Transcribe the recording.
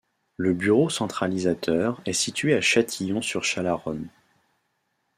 Le bureau centralisateur est situé à Châtillon-sur-Chalaronne.